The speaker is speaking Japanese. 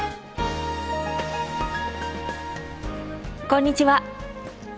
こんにちは。